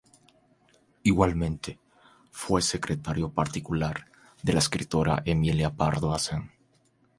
Igualmente, fue secretario particular de la escritora Emilia Pardo Bazán.